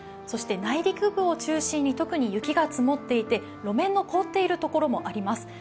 そして内陸部を中心に特に雪が積もっていて路面の凍っているところもあります。